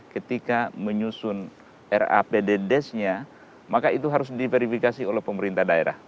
ketika menyusun rapd desk nya maka itu harus diverifikasi oleh pemerintah daerah